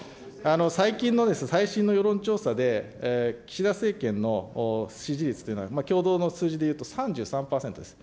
最近の最新の世論調査で、岸田政権の支持率というの、共同の数字でいうと３３％です。